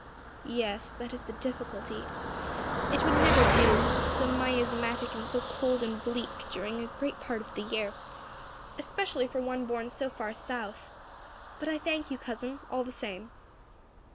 "Yes, that is the difficulty. It would never do, so miasmatic and so cold and bleak during a great part of the year; especially for one born so far south. But I thank you, cousin, all the same."